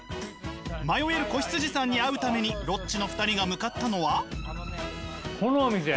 迷える子羊さんに会うためにロッチの２人が向かったのは。